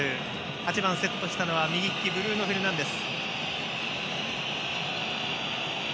８番、セットしたのは右利きブルーノ・フェルナンデス。